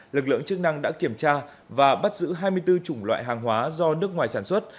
lực lượng chức năng đã kiểm tra và bắt giữ hai mươi bốn chủng loại hàng hóa do nước ngoài sản xuất